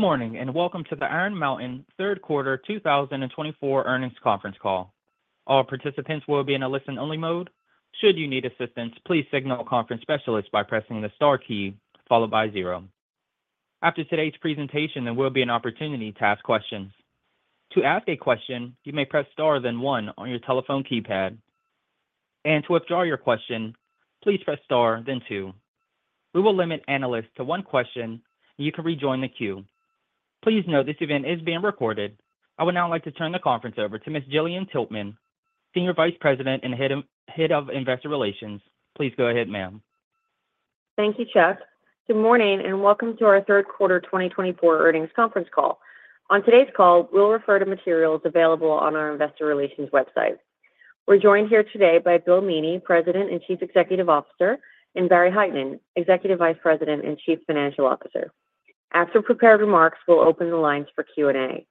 Good morning and welcome to the Iron Mountain Third Quarter 2024 Earnings Conference Call. All participants will be in a listen-only mode. Should you need assistance, please signal conference specialists by pressing the star key followed by zero. After today's presentation, there will be an opportunity to ask questions. To ask a question, you may press star then one on your telephone keypad, and to withdraw your question, please press star then two. We will limit analysts to one question, and you can rejoin the queue. Please note this event is being recorded. I would now like to turn the conference over to Ms. Gillian Tiltman, Senior Vice President and Head of Investor Relations. Please go ahead, ma'am. Thank you, Chuck. Good morning and welcome to our Third Quarter 2024 Earnings Conference Call. On today's call, we'll refer to materials available on our Investor Relations website. We're joined here today by Bill Meaney, President and Chief Executive Officer, and Barry Hytinen, Executive Vice President and Chief Financial Officer. After prepared remarks, we'll open the lines for Q&A.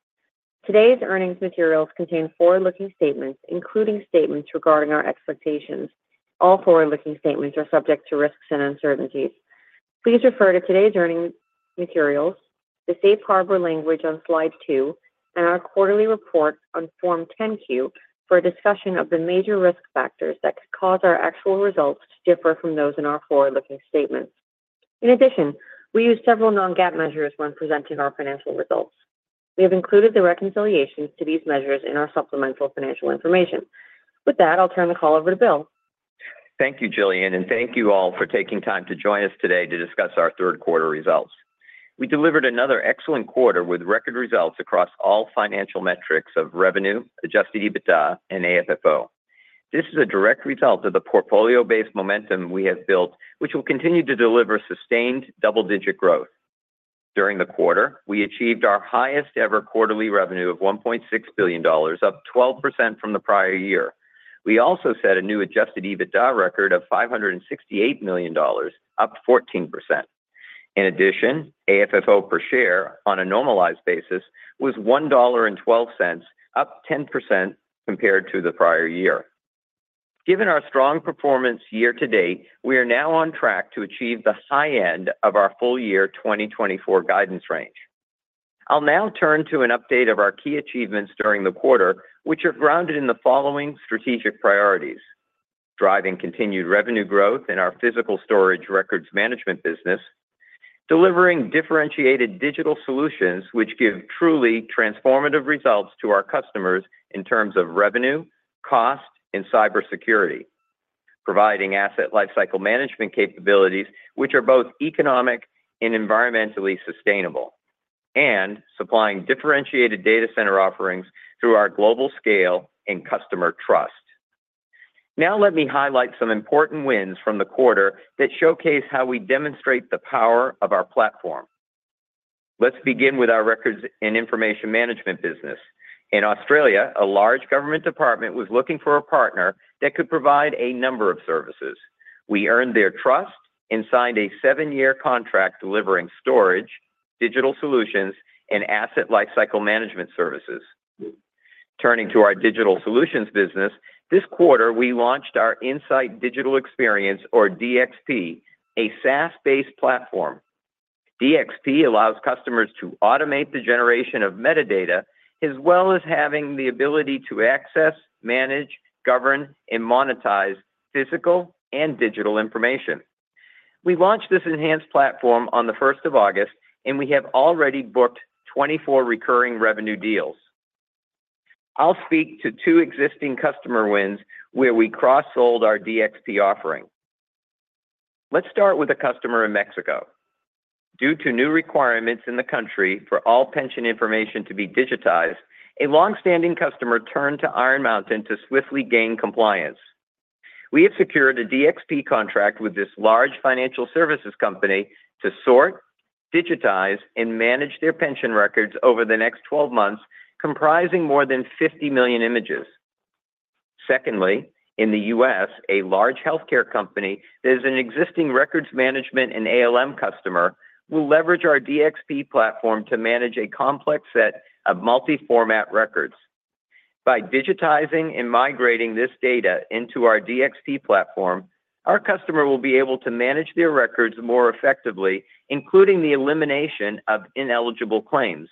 Today's earnings materials contain forward-looking statements, including statements regarding our expectations. All forward-looking statements are subject to risks and uncertainties. Please refer to today's earnings materials, the safe harbor language on slide two, and our quarterly report on Form 10-Q for a discussion of the major risk factors that could cause our actual results to differ from those in our forward-looking statements. In addition, we use several non-GAAP measures when presenting our financial results. We have included the reconciliations to these measures in our supplemental financial information. With that, I'll turn the call over to Bill. Thank you, Gillian, and thank you all for taking time to join us today to discuss our third quarter results. We delivered another excellent quarter with record results across all financial metrics of revenue, Adjusted EBITDA, and AFFO. This is a direct result of the portfolio-based momentum we have built, which will continue to deliver sustained double-digit growth. During the quarter, we achieved our highest-ever quarterly revenue of $1.6 billion, up 12% from the prior year. We also set a new Adjusted EBITDA record of $568 million, up 14%. In addition, AFFO per share on a normalized basis was $1.12, up 10% compared to the prior year. Given our strong performance year to date, we are now on track to achieve the high end of our full year 2024 guidance range. I'll now turn to an update of our key achievements during the quarter, which are grounded in the following strategic priorities: driving continued revenue growth in our physical storage records management business. Delivering differentiated digital solutions which give truly transformative results to our customers in terms of revenue, cost, and cybersecurity. Providing asset lifecycle management capabilities which are both economic and environmentally sustainable. And supplying differentiated data center offerings through our global scale and customer trust. Now let me highlight some important wins from the quarter that showcase how we demonstrate the power of our platform. Let's begin with our records and information management business. In Australia, a large government department was looking for a partner that could provide a number of services. We earned their trust and signed a seven-year contract delivering storage, digital solutions, and asset lifecycle management services. Turning to our digital solutions business, this quarter we launched our InSight Digital Experience, or DXP, a SaaS-based platform. DXP allows customers to automate the generation of metadata as well as having the ability to access, manage, govern, and monetize physical and digital information. We launched this enhanced platform on the 1st of August, and we have already booked 24 recurring revenue deals. I'll speak to two existing customer wins where we cross-sold our DXP offering. Let's start with a customer in Mexico. Due to new requirements in the country for all pension information to be digitized, a longstanding customer turned to Iron Mountain to swiftly gain compliance. We have secured a DXP contract with this large financial services company to sort, digitize, and manage their pension records over the next 12 months, comprising more than 50 million images. Secondly, in the U.S., a large healthcare company that is an existing records management and ALM customer will leverage our DXP platform to manage a complex set of multi-format records. By digitizing and migrating this data into our DXP platform, our customer will be able to manage their records more effectively, including the elimination of ineligible claims.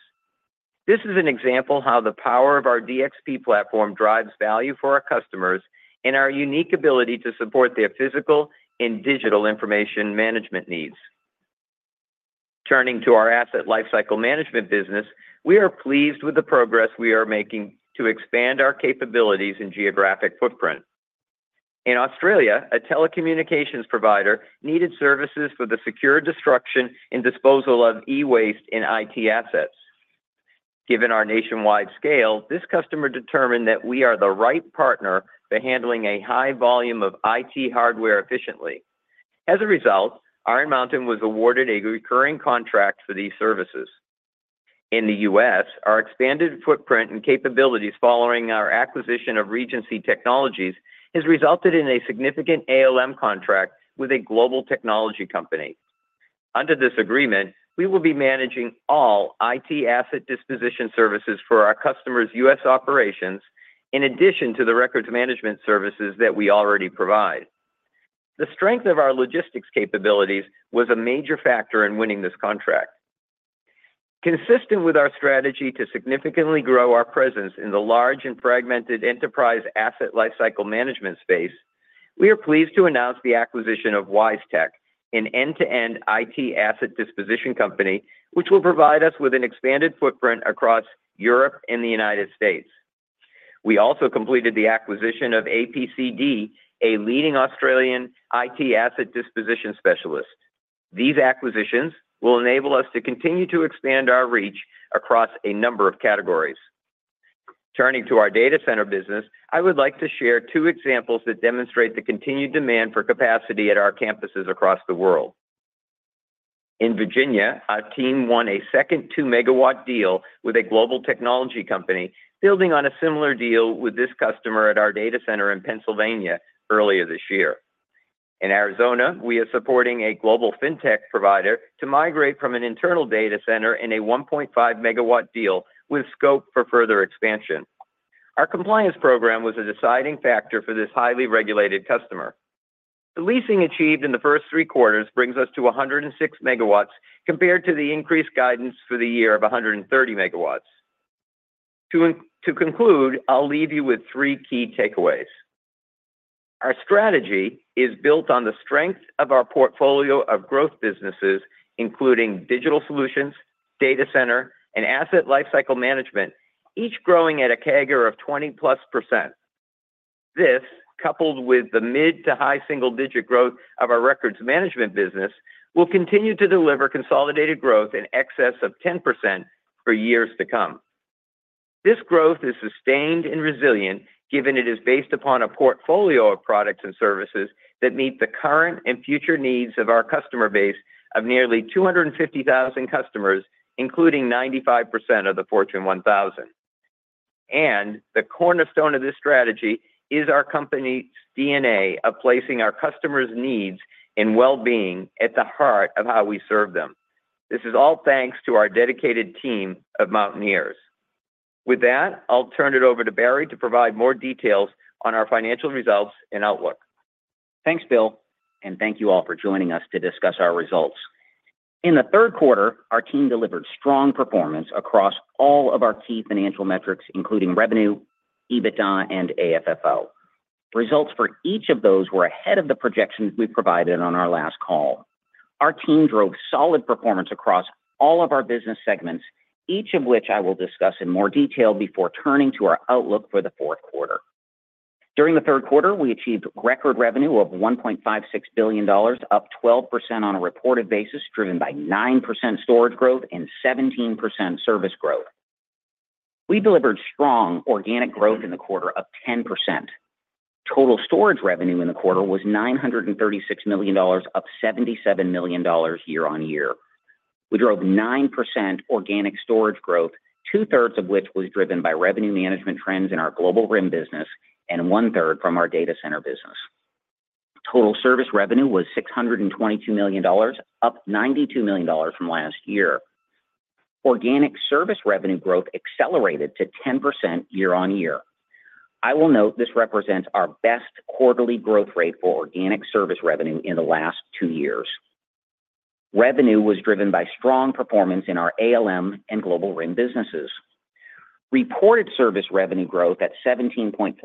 This is an example of how the power of our DXP platform drives value for our customers and our unique ability to support their physical and digital information management needs. Turning to our asset lifecycle management business, we are pleased with the progress we are making to expand our capabilities and geographic footprint. In Australia, a telecommunications provider needed services for the secure destruction and disposal of e-waste and IT assets. Given our nationwide scale, this customer determined that we are the right partner for handling a high volume of IT hardware efficiently. As a result, Iron Mountain was awarded a recurring contract for these services. In the U.S., our expanded footprint and capabilities following our acquisition of Regency Technologies has resulted in a significant ALM contract with a global technology company. Under this agreement, we will be managing all IT asset disposition services for our customers' U.S. operations, in addition to the records management services that we already provide. The strength of our logistics capabilities was a major factor in winning this contract. Consistent with our strategy to significantly grow our presence in the large and fragmented enterprise asset lifecycle management space, we are pleased to announce the acquisition of Wisetek, an end-to-end IT asset disposition company, which will provide us with an expanded footprint across Europe and the United States. We also completed the acquisition of APCD, a leading Australian IT asset disposition specialist. These acquisitions will enable us to continue to expand our reach across a number of categories. Turning to our data center business, I would like to share two examples that demonstrate the continued demand for capacity at our campuses across the world. In Virginia, our team won a second two-megawatt deal with a global technology company, building on a similar deal with this customer at our data center in Pennsylvania earlier this year. In Arizona, we are supporting a global fintech provider to migrate from an internal data center in a 1.5-megawatt deal with scope for further expansion. Our compliance program was a deciding factor for this highly regulated customer. The leasing achieved in the first three quarters brings us to 106 megawatts compared to the increased guidance for the year of 130 megawatts. To conclude, I'll leave you with three key takeaways. Our strategy is built on the strength of our portfolio of growth businesses, including digital solutions, data center, and asset lifecycle management, each growing at a CAGR of 20-plus%. This, coupled with the mid to high single-digit growth of our records management business, will continue to deliver consolidated growth in excess of 10% for years to come. This growth is sustained and resilient given it is based upon a portfolio of products and services that meet the current and future needs of our customer base of nearly 250,000 customers, including 95% of the Fortune 1000. And the cornerstone of this strategy is our company's DNA of placing our customers' needs and well-being at the heart of how we serve them. This is all thanks to our dedicated team of Mountaineers. With that, I'll turn it over to Barry to provide more details on our financial results and outlook. Thanks, Bill, and thank you all for joining us to discuss our results. In the third quarter, our team delivered strong performance across all of our key financial metrics, including revenue, EBITDA, and AFFO. Results for each of those were ahead of the projections we provided on our last call. Our team drove solid performance across all of our business segments, each of which I will discuss in more detail before turning to our outlook for the fourth quarter. During the third quarter, we achieved record revenue of $1.56 billion, up 12% on a reported basis, driven by 9% storage growth and 17% service growth. We delivered strong organic growth in the quarter of 10%. Total storage revenue in the quarter was $936 million, up $77 million year on year. We drove 9% organic storage growth, two-thirds of which was driven by revenue management trends in our global RIM business and one-third from our data center business. Total service revenue was $622 million, up $92 million from last year. Organic service revenue growth accelerated to 10% year on year. I will note this represents our best quarterly growth rate for organic service revenue in the last two years. Revenue was driven by strong performance in our ALM and global RIM businesses. Reported service revenue growth at 17.4%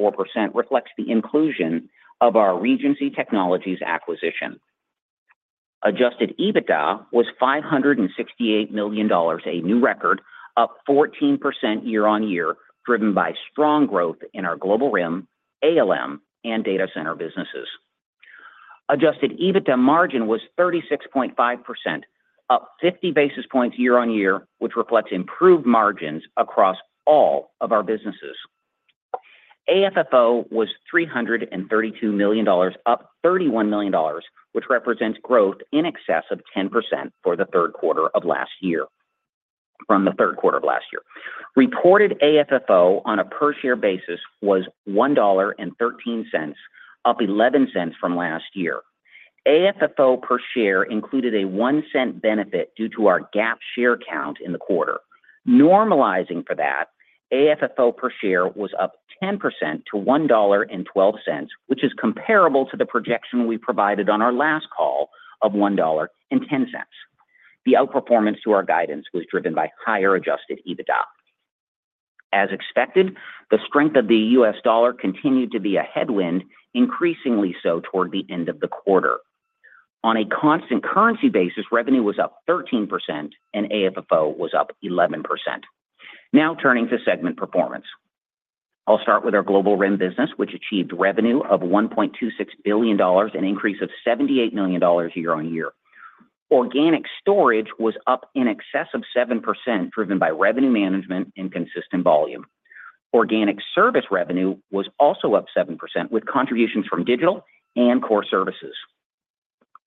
reflects the inclusion of our Regency Technologies acquisition. Adjusted EBITDA was $568 million, a new record, up 14% year on year, driven by strong growth in our global RIM, ALM, and data center businesses. Adjusted EBITDA margin was 36.5%, up 50 basis points year on year, which reflects improved margins across all of our businesses. AFFO was $332 million, up $31 million, which represents growth in excess of 10% for the third quarter of last year from the third quarter of last year. Reported AFFO on a per-share basis was $1.13, up $0.11 from last year. AFFO per share included a $0.01 benefit due to our GAAP share count in the quarter. Normalizing for that, AFFO per share was up 10% to $1.12, which is comparable to the projection we provided on our last call of $1.10. The outperformance to our guidance was driven by higher Adjusted EBITDA. As expected, the strength of the U.S. dollar continued to be a headwind, increasingly so toward the end of the quarter. On a constant currency basis, revenue was up 13%, and AFFO was up 11%. Now turning to segment performance. I'll start with our global RIM business, which achieved revenue of $1.26 billion, an increase of $78 million year on year. Organic storage was up in excess of 7%, driven by revenue management and consistent volume. Organic service revenue was also up 7%, with contributions from digital and core services.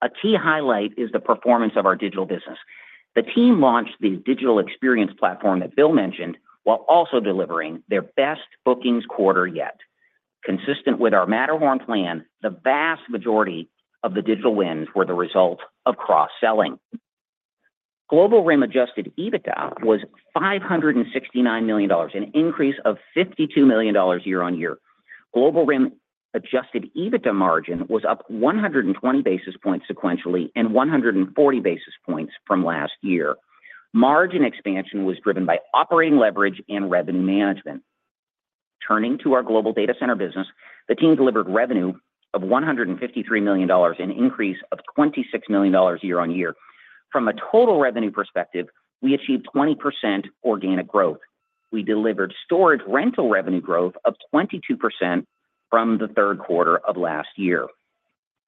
A key highlight is the performance of our digital business. The team launched the digital experience platform that Bill mentioned while also delivering their best bookings quarter yet. Consistent with our Matterhorn plan, the vast majority of the digital wins were the result of cross-selling. Global RIM adjusted EBITDA was $569 million, an increase of $52 million year on year. Global RIM adjusted EBITDA margin was up 120 basis points sequentially and 140 basis points from last year. Margin expansion was driven by operating leverage and revenue management. Turning to our global data center business, the team delivered revenue of $153 million, an increase of $26 million year on year. From a total revenue perspective, we achieved 20% organic growth. We delivered storage rental revenue growth of 22% from the third quarter of last year.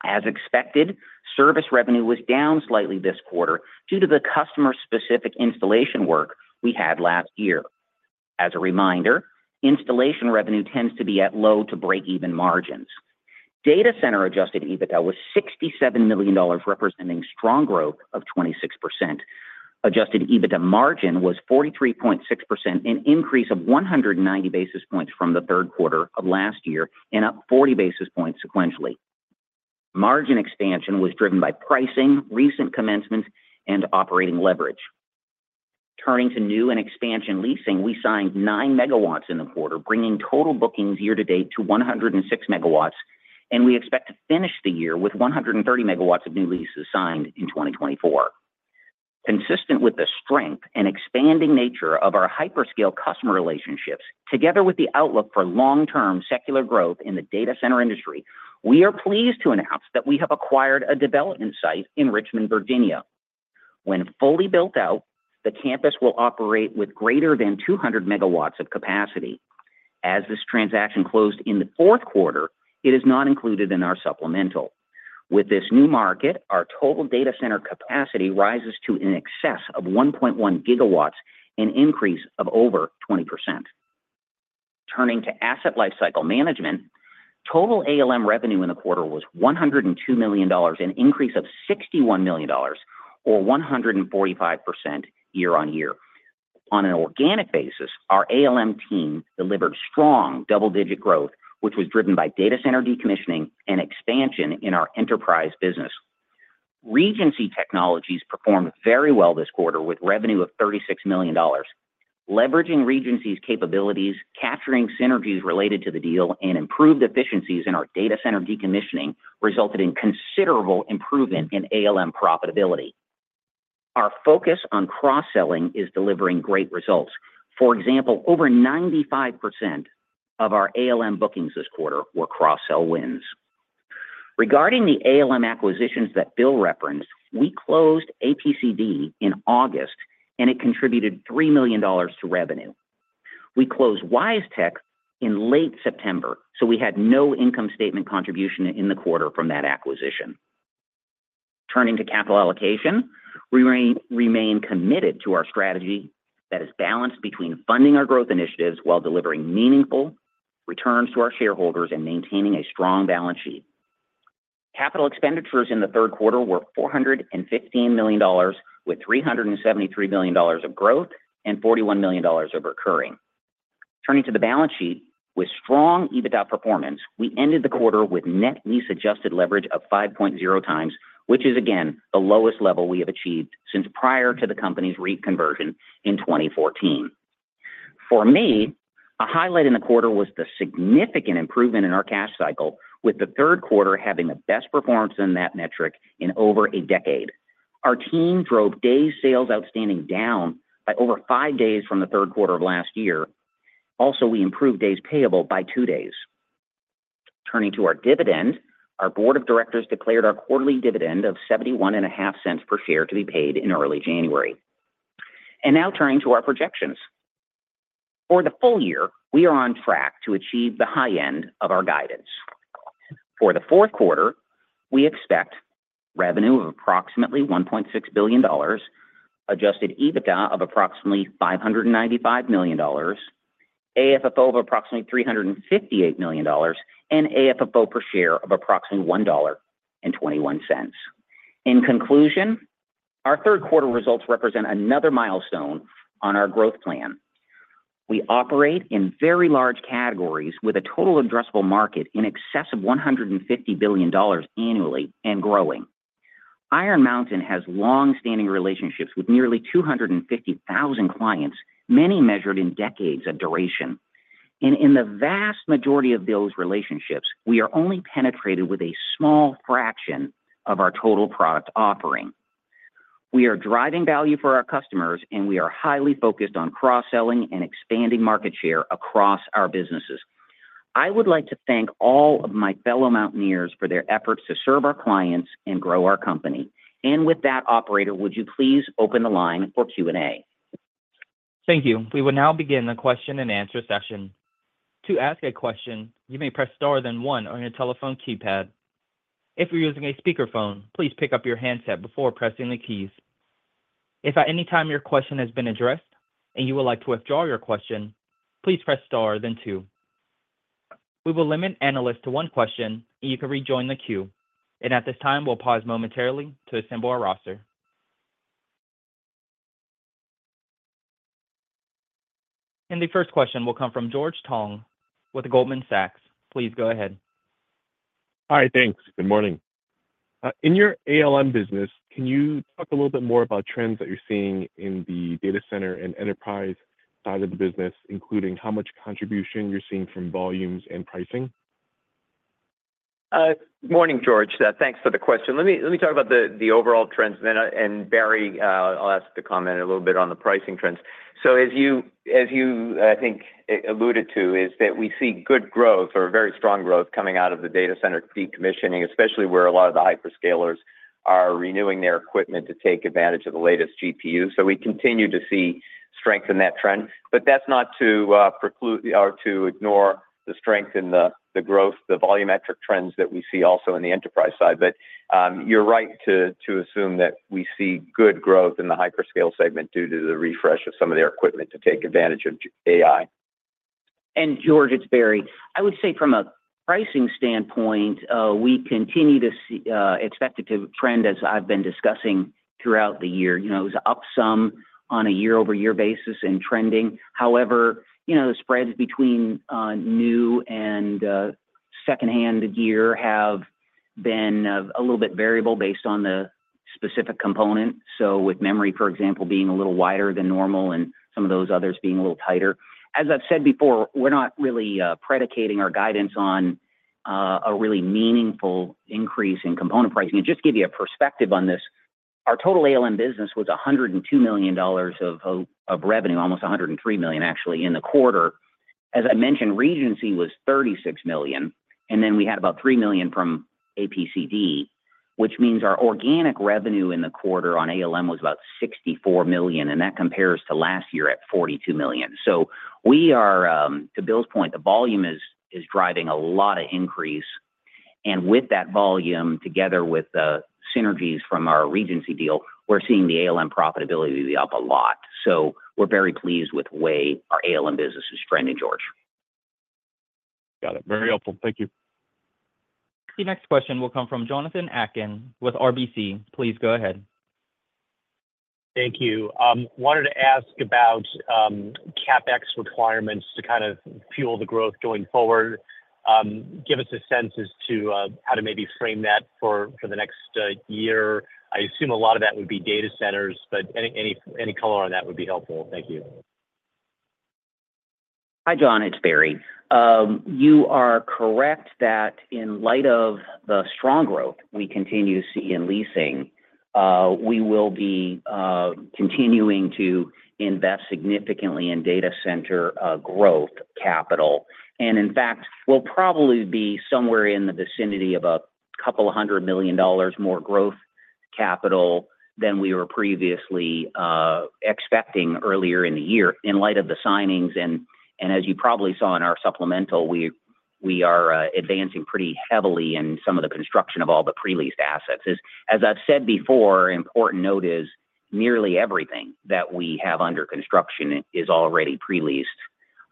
As expected, service revenue was down slightly this quarter due to the customer-specific installation work we had last year. As a reminder, installation revenue tends to be at low to break-even margins. Data center adjusted EBITDA was $67 million, representing strong growth of 26%. Adjusted EBITDA margin was 43.6%, an increase of 190 basis points from the third quarter of last year and up 40 basis points sequentially. Margin expansion was driven by pricing, recent commencements, and operating leverage. Turning to new and expansion leasing, we signed nine megawatts in the quarter, bringing total bookings year to date to 106 megawatts, and we expect to finish the year with 130 megawatts of new leases signed in 2024. Consistent with the strength and expanding nature of our hyperscale customer relationships, together with the outlook for long-term secular growth in the data center industry, we are pleased to announce that we have acquired a development site in Richmond, Virginia. When fully built out, the campus will operate with greater than 200 megawatts of capacity. As this transaction closed in the fourth quarter, it is not included in our supplemental. With this new market, our total data center capacity rises to in excess of 1.1 gigawatts, an increase of over 20%. Turning to asset lifecycle management, total ALM revenue in the quarter was $102 million, an increase of $61 million, or 145% year on year. On an organic basis, our ALM team delivered strong double-digit growth, which was driven by data center decommissioning and expansion in our enterprise business. Regency Technologies performed very well this quarter with revenue of $36 million. Leveraging Regency's capabilities, capturing synergies related to the deal, and improved efficiencies in our data center decommissioning resulted in considerable improvement in ALM profitability. Our focus on cross-selling is delivering great results. For example, over 95% of our ALM bookings this quarter were cross-sell wins. Regarding the ALM acquisitions that Bill referenced, we closed APCD in August, and it contributed $3 million to revenue. We closed Wisetek in late September, so we had no income statement contribution in the quarter from that acquisition. Turning to capital allocation, we remain committed to our strategy that is balanced between funding our growth initiatives while delivering meaningful returns to our shareholders and maintaining a strong balance sheet. Capital expenditures in the third quarter were $415 million, with $373 million of growth and $41 million of recurring. Turning to the balance sheet, with strong EBITDA performance, we ended the quarter with net lease-adjusted leverage of 5.0 times, which is, again, the lowest level we have achieved since prior to the company's REIT conversion in 2014. For me, a highlight in the quarter was the significant improvement in our cash cycle, with the third quarter having the best performance in that metric in over a decade. Our team drove Days Sales Outstanding down by over five days from the third quarter of last year. Also, we improved days payable by two days. Turning to our dividend, our board of directors declared our quarterly dividend of $0.715 per share to be paid in early January, and now turning to our projections. For the full year, we are on track to achieve the high end of our guidance. For the fourth quarter, we expect revenue of approximately $1.6 billion, adjusted EBITDA of approximately $595 million, AFFO of approximately $358 million, and AFFO per share of approximately $1.21. In conclusion, our third quarter results represent another milestone on our growth plan. We operate in very large categories with a total addressable market in excess of $150 billion annually and growing. Iron Mountain has long-standing relationships with nearly 250,000 clients, many measured in decades of duration, and in the vast majority of those relationships, we are only penetrated with a small fraction of our total product offering. We are driving value for our customers, and we are highly focused on cross-selling and expanding market share across our businesses. I would like to thank all of my fellow mountaineers for their efforts to serve our clients and grow our company. And with that, Operator, would you please open the line for Q&A? Thank you. We will now begin the question and answer session. To ask a question, you may press star then one on your telephone keypad. If you're using a speakerphone, please pick up your handset before pressing the keys. If at any time your question has been addressed and you would like to withdraw your question, please press star then two. We will limit analysts to one question, and you can rejoin the queue. And at this time, we'll pause momentarily to assemble our roster. And the first question will come from George Tong with Goldman Sachs. Please go ahead. Hi, thanks. Good morning. In your ALM business, can you talk a little bit more about trends that you're seeing in the data center and enterprise side of the business, including how much contribution you're seeing from volumes and pricing? Morning, George. Thanks for the question. Let me talk about the overall trends. And Barry, I'll ask to comment a little bit on the pricing trends. So as you, I think, alluded to, is that we see good growth or very strong growth coming out of the data center decommissioning, especially where a lot of the hyperscalers are renewing their equipment to take advantage of the latest GPUs. So we continue to see strength in that trend. But that's not to preclude or to ignore the strength in the growth, the volumetric trends that we see also in the enterprise side. But you're right to assume that we see good growth in the hyperscale segment due to the refresh of some of their equipment to take advantage of AI. And George, it's Barry. I would say from a pricing standpoint, we continue to expect it to trend as I've been discussing throughout the year. It was up some on a year-over-year basis in trending. However, the spreads between new and secondhand gear have been a little bit variable based on the specific component. So with memory, for example, being a little wider than normal and some of those others being a little tighter. As I've said before, we're not really predicating our guidance on a really meaningful increase in component pricing. And just to give you a perspective on this, our total ALM business was $102 million of revenue, almost $103 million, actually, in the quarter. As I mentioned, Regency was $36 million. And then we had about $3 million from APCD, which means our organic revenue in the quarter on ALM was about $64 million. And that compares to last year at $42 million. So to Bill's point, the volume is driving a lot of increase. And with that volume, together with the synergies from our Regency deal, we're seeing the ALM profitability be up a lot. So we're very pleased with the way our ALM business is trending, George. Got it. Very helpful. Thank you. The next question will come from Jonathan Atkin with RBC. Please go ahead. Thank you. Wanted to ask about CapEx requirements to kind of fuel the growth going forward. Give us a sense as to how to maybe frame that for the next year. I assume a lot of that would be data centers, but any color on that would be helpful. Thank you. Hi, John. It's Barry. You are correct that in light of the strong growth we continue to see in leasing, we will be continuing to invest significantly in data center growth capital. And in fact, we'll probably be somewhere in the vicinity of $200 million more growth capital than we were previously expecting earlier in the year in light of the signings. And as you probably saw in our supplemental, we are advancing pretty heavily in some of the construction of all the pre-leased assets. As I've said before, important note is nearly everything that we have under construction is already pre-leased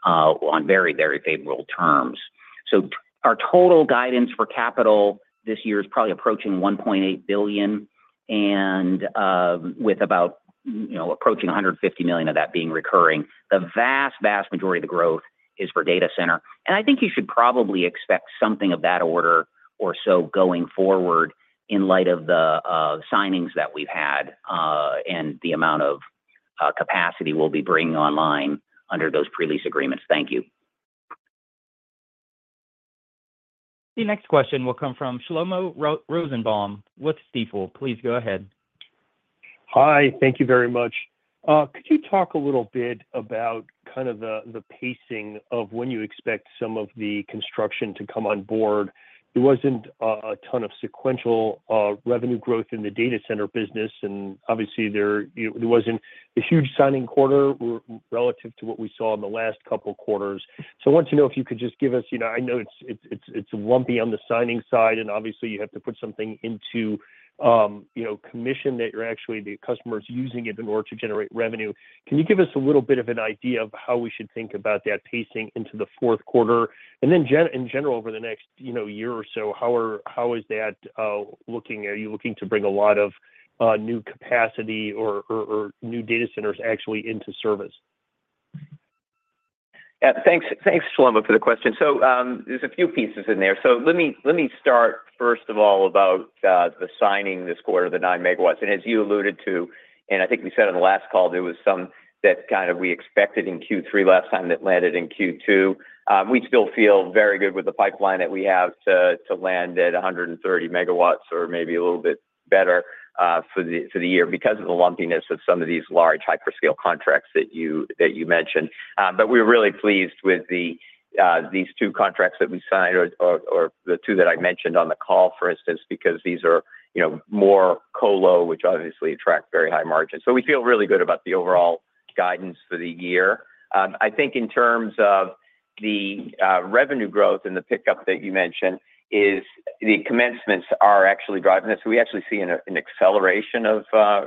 on very, very favorable terms. So our total guidance for capital this year is probably approaching $1.8 billion, and with about approaching $150 million of that being recurring, the vast, vast majority of the growth is for data center. And I think you should probably expect something of that order or so going forward in light of the signings that we've had and the amount of capacity we'll be bringing online under those pre-lease agreements. Thank you. The next question will come from Shlomo Rosenbaum with Stifel. Please go ahead. Hi. Thank you very much. Could you talk a little bit about kind of the pacing of when you expect some of the construction to come on board? There wasn't a ton of sequential revenue growth in the data center business. And obviously, there wasn't a huge signing quarter relative to what we saw in the last couple of quarters. So I want to know if you could just give us, I know it's lumpy on the signing side, and obviously, you have to put something into commission that you're actually the customer is using it in order to generate revenue. Can you give us a little bit of an idea of how we should think about that pacing into the fourth quarter? And then in general, over the next year or so, how is that looking? Are you looking to bring a lot of new capacity or new data centers actually into service? Yeah. Thanks, Shlomo, for the question, so there's a few pieces in there, so let me start, first of all, about the signing this quarter of the nine megawatts, and as you alluded to, and I think we said on the last call, there was some that kind of we expected in Q3 last time that landed in Q2. We still feel very good with the pipeline that we have to land at 130 megawatts or maybe a little bit better for the year because of the lumpiness of some of these large hyperscale contracts that you mentioned, but we're really pleased with these two contracts that we signed or the two that I mentioned on the call, for instance, because these are more colo, which obviously attract very high margins. So we feel really good about the overall guidance for the year. I think in terms of the revenue growth and the pickup that you mentioned, the commencements are actually driving this. We actually see an acceleration of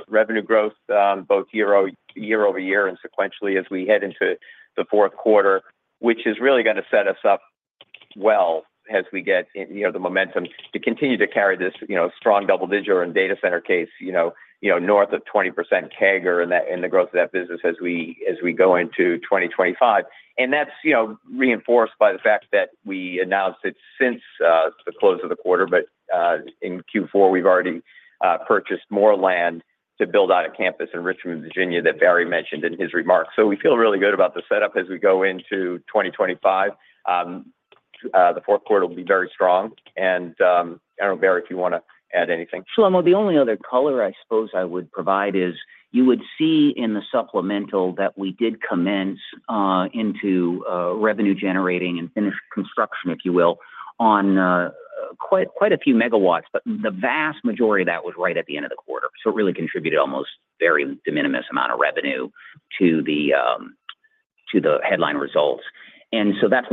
revenue growth both year over year and sequentially as we head into the fourth quarter, which is really going to set us up well as we get the momentum to continue to carry this strong double-digit or in data center case north of 20% CAGR in the growth of that business as we go into 2025, and that's reinforced by the fact that we announced it since the close of the quarter, but in Q4, we've already purchased more land to build out a campus in Richmond, Virginia, that Barry mentioned in his remarks, so we feel really good about the setup as we go into 2025. The fourth quarter will be very strong. I don't know, Barry, if you want to add anything. Shlomo, the only other color I suppose I would provide is you would see in the supplemental that we did commence into revenue-generating and finished construction, if you will, on quite a few megawatts. But the vast majority of that was right at the end of the quarter. So it really contributed almost very de minimis amount of revenue to the headline results. And so that's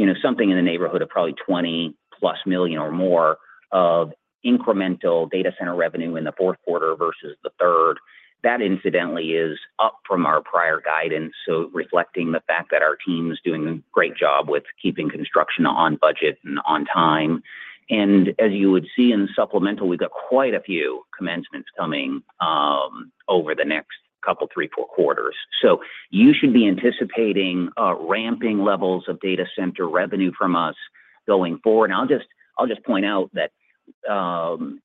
one of the reasons why we have a high degree of visibility to something in the neighborhood of probably $20 million or more of incremental data center revenue in the fourth quarter versus the third. That, incidentally, is up from our prior guidance, so reflecting the fact that our team is doing a great job with keeping construction on budget and on time. As you would see in the supplemental, we've got quite a few commencements coming over the next couple, three, four quarters. You should be anticipating ramping levels of data center revenue from us going forward. I'll just point out that,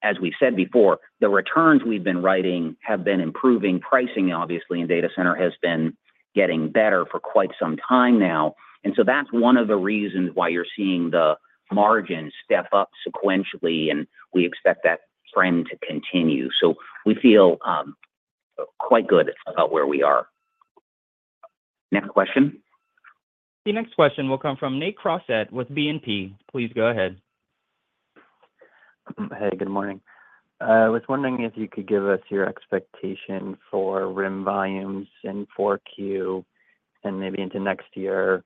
as we said before, the returns we've been writing have been improving. Pricing, obviously, in data center has been getting better for quite some time now. That's one of the reasons why you're seeing the margins step up sequentially. We expect that trend to continue. We feel quite good about where we are. Next question. The next question will come from Nate Crossett with BNP. Please go ahead. Hey, good morning. I was wondering if you could give us your expectation for RIM volumes in 4Q and maybe into next year.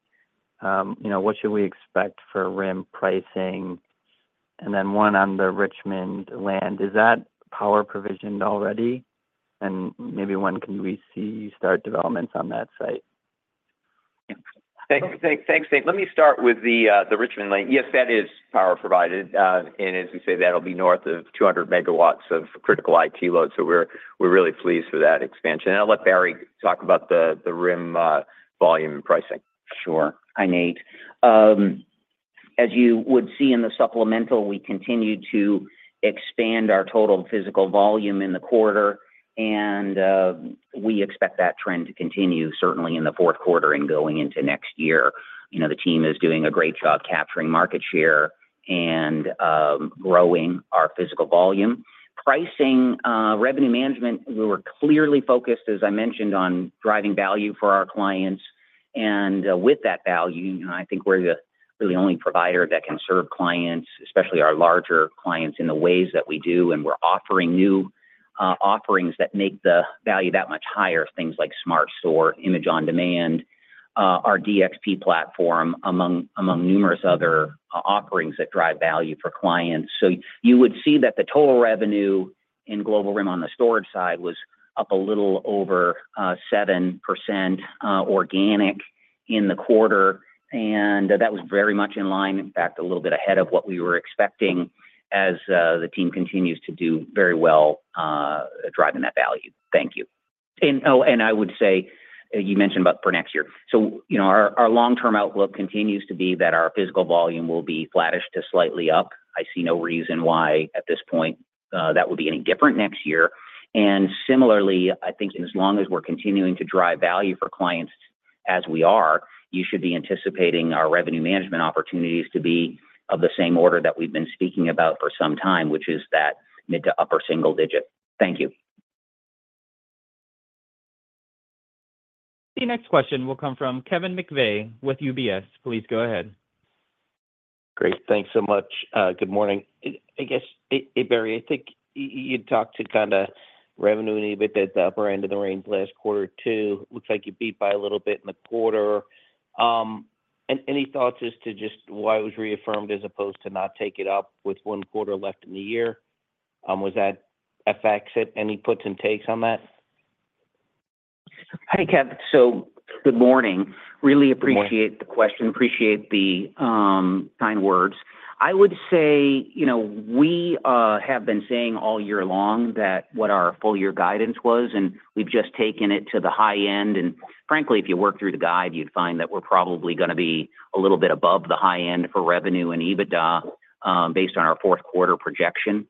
What should we expect for RIM pricing? And then one on the Richmond land, is that power provisioned already? And maybe when can we see you start developments on that site? Thanks, Nate. Let me start with the Richmond land. Yes, that is power provided. And as we say, that'll be north of 200 megawatts of critical IT load. So we're really pleased with that expansion. And I'll let Barry talk about the RIM volume and pricing. Sure. Hi, Nate. As you would see in the supplemental, we continue to expand our total physical volume in the quarter. And we expect that trend to continue, certainly in the fourth quarter and going into next year. The team is doing a great job capturing market share and growing our physical volume. Pricing, revenue management, we were clearly focused, as I mentioned, on driving value for our clients. And with that value, I think we're the only provider that can serve clients, especially our larger clients, in the ways that we do. And we're offering new offerings that make the value that much higher, things like Smart Sort, Image on Demand, our DXP platform, among numerous other offerings that drive value for clients. So you would see that the total revenue in global RIM on the storage side was up a little over 7% organic in the quarter. That was very much in line, in fact, a little bit ahead of what we were expecting as the team continues to do very well at driving that value. Thank you. I would say you mentioned about for next year. Our long-term outlook continues to be that our physical volume will be flattish to slightly up. I see no reason why, at this point, that would be any different next year. Similarly, I think as long as we're continuing to drive value for clients as we are, you should be anticipating our revenue management opportunities to be of the same order that we've been speaking about for some time, which is that mid- to upper-single-digit. Thank you. The next question will come from Kevin McVeigh with UBS. Please go ahead. Great. Thanks so much. Good morning. I guess, Barry, I think you'd talked to kind of revenue a little bit at the upper end of the range last quarter too. Looks like you beat by a little bit in the quarter. Any thoughts as to just why it was reaffirmed as opposed to not take it up with one quarter left in the year? Was that FX or any puts and takes on that? Hi, Kevin. So good morning. Really appreciate the question. Appreciate the kind words. I would say we have been saying all year long that what our full-year guidance was, and we've just taken it to the high end. And frankly, if you work through the guide, you'd find that we're probably going to be a little bit above the high end for revenue and EBITDA based on our fourth quarter projection.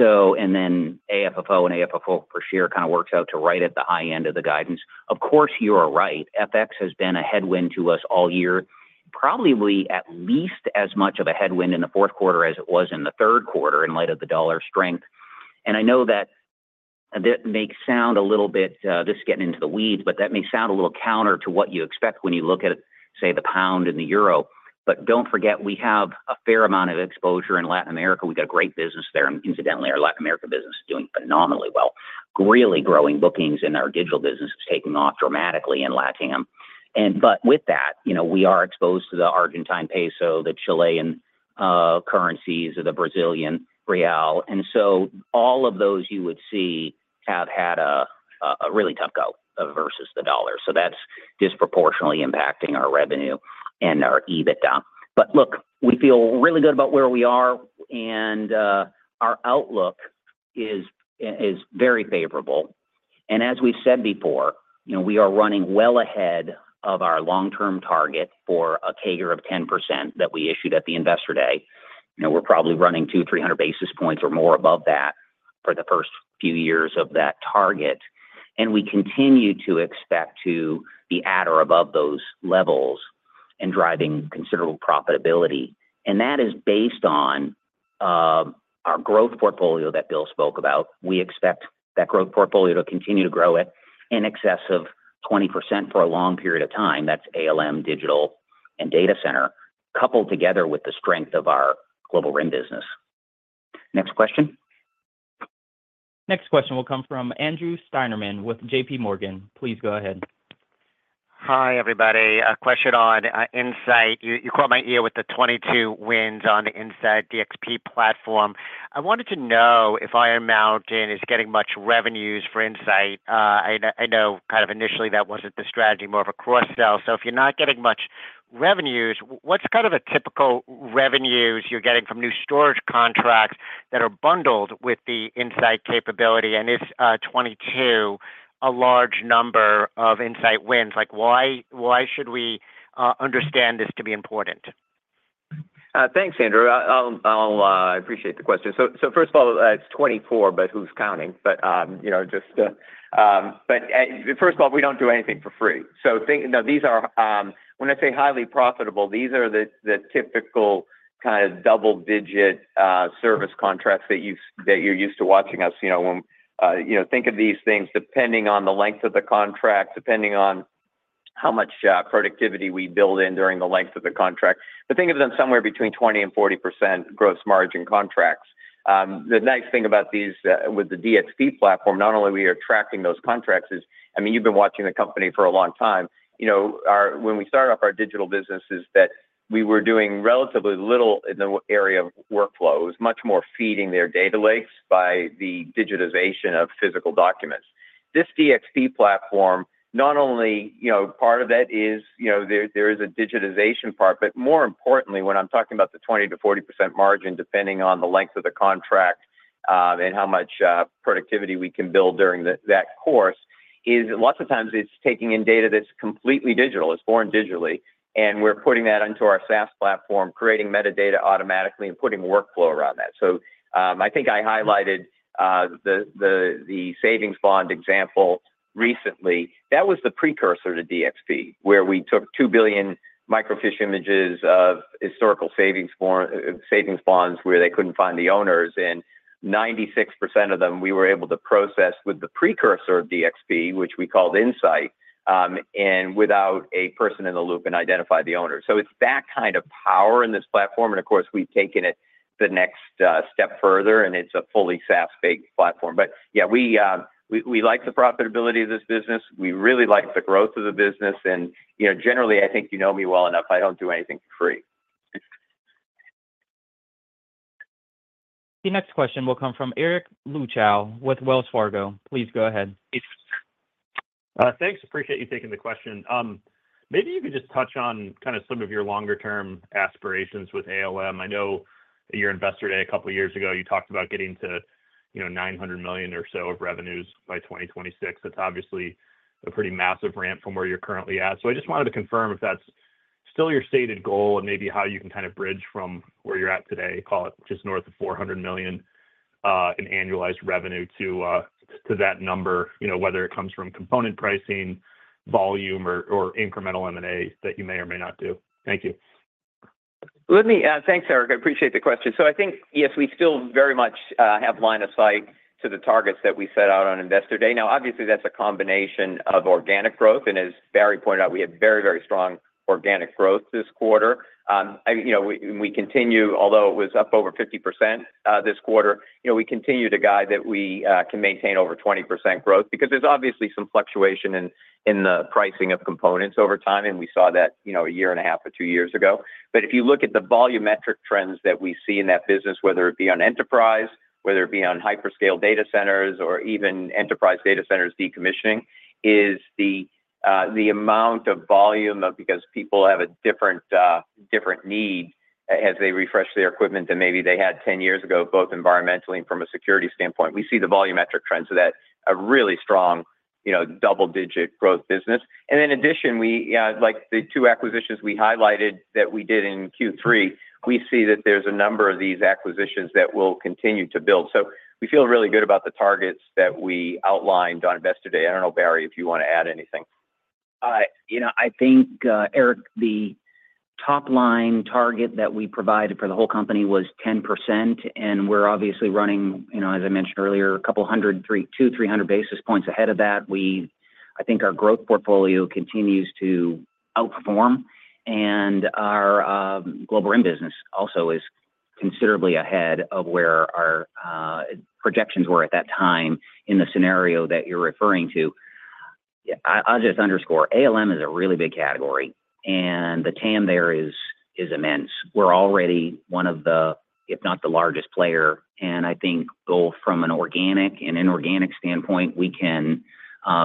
And then AFFO and AFFO per share kind of works out to right at the high end of the guidance. Of course, you are right. FX has been a headwind to us all year, probably at least as much of a headwind in the fourth quarter as it was in the third quarter in light of the dollar strength. And I know that that may sound a little bit (this is getting into the weeds) but that may sound a little counter to what you expect when you look at, say, the pound and the euro. But don't forget, we have a fair amount of exposure in Latin America. We've got a great business there. And incidentally, our Latin America business is doing phenomenally well, really growing bookings in our digital business is taking off dramatically in LATAM. But with that, we are exposed to the Argentine peso, the Chilean currencies, the Brazilian real. And so all of those you would see have had a really tough go versus the dollar. So that's disproportionately impacting our revenue and our EBITDA. But look, we feel really good about where we are. And our outlook is very favorable. As we said before, we are running well ahead of our long-term target for a CAGR of 10% that we issued at the investor day. We're probably running 2,300 basis points or more above that for the first few years of that target. We continue to expect to be at or above those levels and driving considerable profitability. That is based on our growth portfolio that Bill spoke about. We expect that growth portfolio to continue to grow at in excess of 20% for a long period of time. That's ALM, digital, and data center coupled together with the strength of our global RIM business. Next question. Next question will come from Andrew Steinerman with JPMorgan. Please go ahead. Hi, everybody. A question on InSight. You caught my ear with the 22 wins on the InSight DXP platform. I wanted to know if Iron Mountain is getting much revenues for InSight. I know kind of initially that wasn't the strategy, more of a cross-sell. So if you're not getting much revenues, what's kind of a typical revenues you're getting from new storage contracts that are bundled with the InSight capability? And if 22, a large number of InSight wins, why should we understand this to be important? Thanks, Andrew. I appreciate the question. So first of all, it's 24, but who's counting? But first of all, we don't do anything for free. So these are, when I say highly profitable, these are the typical kind of double-digit service contracts that you're used to watching us. Think of these things depending on the length of the contract, depending on how much productivity we build in during the length of the contract. But think of them somewhere between 20% and 40% gross margin contracts. The nice thing about these with the DXP platform, not only are we attracting those contracts, is, I mean, you've been watching the company for a long time. When we started off our digital businesses, we were doing relatively little in the area of workflows, much more feeding their data lakes by the digitization of physical documents. This DXP platform, not only part of that is there is a digitization part, but more importantly, when I'm talking about the 20%-40% margin, depending on the length of the contract and how much productivity we can build during that course, is lots of times it's taking in data that's completely digital. It's born digitally, and we're putting that onto our SaaS platform, creating metadata automatically, and putting workflow around that. I think I highlighted the savings bond example recently. That was the precursor to DXP, where we took 2 billion microfiche images of historical savings bonds where they couldn't find the owners, and 96% of them, we were able to process with the precursor of DXP, which we called Insight, and without a person in the loop and identify the owners, so it's that kind of power in this platform. And of course, we've taken it the next step further, and it's a fully SaaS-based platform, but yeah, we like the profitability of this business. We really like the growth of the business, and generally, I think you know me well enough. I don't do anything for free. The next question will come from Eric Luebchow with Wells Fargo. Please go ahead. Thanks. Appreciate you taking the question. Maybe you could just touch on kind of some of your longer-term aspirations with ALM. I know at your investor day a couple of years ago, you talked about getting to $900 million or so of revenues by 2026. That's obviously a pretty massive ramp from where you're currently at. So I just wanted to confirm if that's still your stated goal and maybe how you can kind of bridge from where you're at today, call it just north of $400 million in annualized revenue to that number, whether it comes from component pricing, volume, or incremental M&A that you may or may not do. Thank you. Thanks, Eric. I appreciate the question. So I think, yes, we still very much have line of sight to the targets that we set out on investor day. Now, obviously, that's a combination of organic growth. And as Barry pointed out, we had very, very strong organic growth this quarter. We continue, although it was up over 50% this quarter, we continue to guide that we can maintain over 20% growth because there's obviously some fluctuation in the pricing of components over time. And we saw that a year and a half or two years ago. But if you look at the volumetric trends that we see in that business, whether it be on enterprise, whether it be on hyperscale data centers, or even enterprise data centers decommissioning, is the amount of volume because people have a different need as they refresh their equipment than maybe they had 10 years ago, both environmentally and from a security standpoint. We see the volumetric trends of that a really strong double-digit growth business. And in addition, like the two acquisitions we highlighted that we did in Q3, we see that there's a number of these acquisitions that will continue to build. So we feel really good about the targets that we outlined on investor day. I don't know, Barry, if you want to add anything. I think, Eric, the top-line target that we provided for the whole company was 10%, and we're obviously running, as I mentioned earlier, 200-300 basis points ahead of that. I think our growth portfolio continues to outperform, and our global RIM business also is considerably ahead of where our projections were at that time in the scenario that you're referring to. I'll just underscore, ALM is a really big category, and the TAM there is immense. We're already one of the, if not the largest player, and I think both from an organic and inorganic standpoint, we can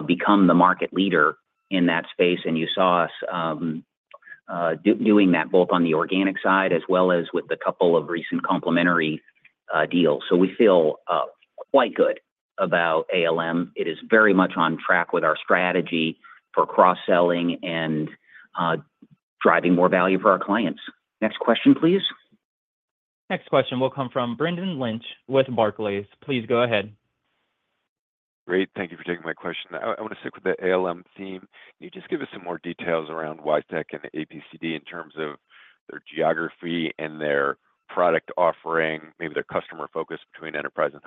become the market leader in that space. And you saw us doing that both on the organic side as well as with a couple of recent complementary deals. So we feel quite good about ALM. It is very much on track with our strategy for cross-selling and driving more value for our clients. Next question, please. Next question will come from Brendan Lynch with Barclays. Please go ahead. Great. Thank you for taking my question. I want to stick with the ALM theme. Can you just give us some more details around Wisetek and APCD in terms of their geography and their product offering, maybe their customer focus between enterprise and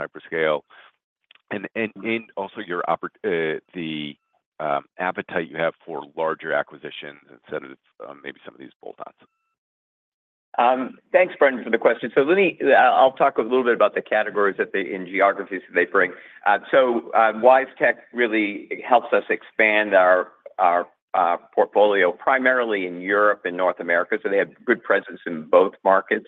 hyperscale, and also the appetite you have for larger acquisitions instead of maybe some of these bolt-ons? Thanks, Brendan, for the question. So I'll talk a little bit about the categories and geographies that they bring. So Wisetek really helps us expand our portfolio primarily in Europe and North America. So they have good presence in both markets.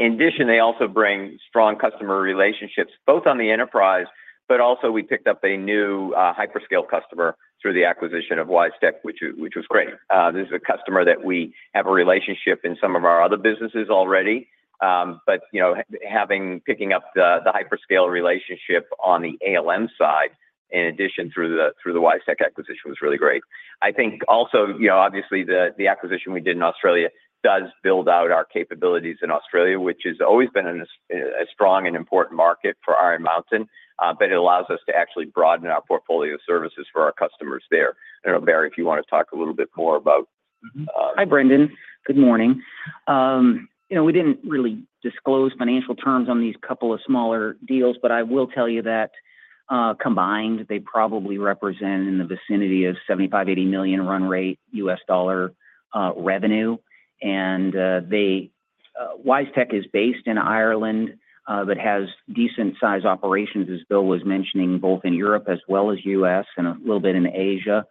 In addition, they also bring strong customer relationships both on the enterprise, but also we picked up a new hyperscale customer through the acquisition of Wisetek, which was great. This is a customer that we have a relationship in some of our other businesses already. But picking up the hyperscale relationship on the ALM side, in addition, through the Wisetek acquisition was really great. I think also, obviously, the acquisition we did in Australia does build out our capabilities in Australia, which has always been a strong and important market for Iron Mountain. But it allows us to actually broaden our portfolio of services for our customers there. I don't know, Barry, if you want to talk a little bit more about? Hi, Brendan. Good morning. We didn't really disclose financial terms on these couple of smaller deals, but I will tell you that combined, they probably represent in the vicinity of $75-$80 million run-rate U.S. dollar revenue, and Wisetek is based in Ireland but has decent-sized operations, as Bill was mentioning, both in Europe as well as U.S. and a little bit in Asia.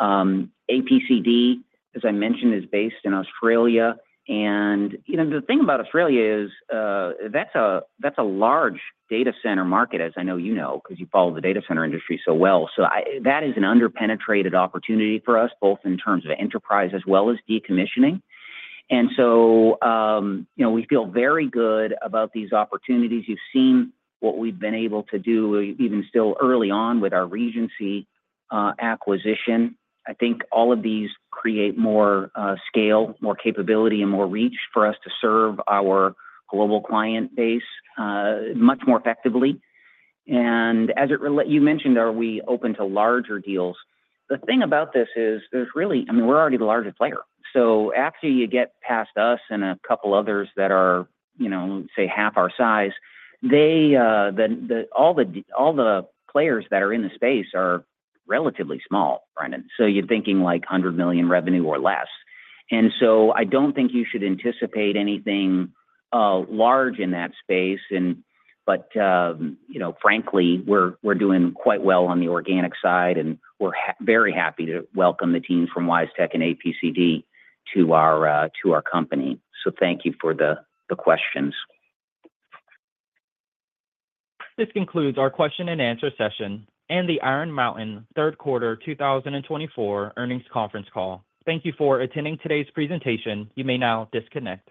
APCD, as I mentioned, is based in Australia, and the thing about Australia is that's a large data center market, as I know you know because you follow the data center industry so well. So that is an underpenetrated opportunity for us, both in terms of enterprise as well as decommissioning, and so we feel very good about these opportunities. You've seen what we've been able to do even still early on with our Regency acquisition. I think all of these create more scale, more capability, and more reach for us to serve our global client base much more effectively. And as you mentioned, are we open to larger deals? The thing about this is there's really, I mean, we're already the largest player. So after you get past us and a couple others that are, say, half our size, all the players that are in the space are relatively small, Brendan. So you're thinking like 100 million revenue or less. And so I don't think you should anticipate anything large in that space. But frankly, we're doing quite well on the organic side. And we're very happy to welcome the teams from Wisetek and APCD to our company. So thank you for the questions. This concludes our question and answer session and the Iron Mountain Third Quarter 2024 earnings conference call. Thank you for attending today's presentation. You may now disconnect.